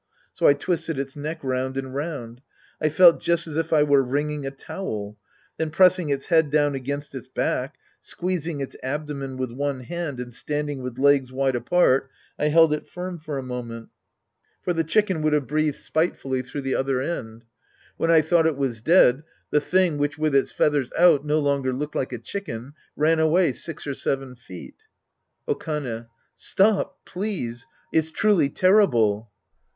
So I twisted its neck round and round. I felt just as if I were wringing a towel. Then pressing its head down against its back, squeez ing its abdomen with one hand and standing with legs wide apart, I held it firm for a moment. For the chicken would have breathed spitefully through 38 The Priest and His Disciples Act I the other end. When I thought it was dead, the thing, which with its feathers out, no longer looked like a chicken, ran away six or seven feet. Okane. Stop, please. It's truly terrible.